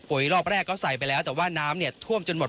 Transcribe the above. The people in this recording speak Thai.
อุ๊ยรอบแรกเขาใส่ไปแล้วแต่ว่าน้ำท่วมจนหมด